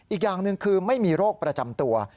อีกอย่างหนึ่งคือไม่มีโรคประจำตัว